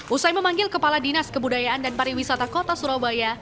usai memanggil kepala dinas kebudayaan dan pariwisata kota surabaya